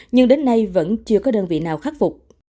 nhưng đến nay vẫn chưa có đơn vị nào khắc phục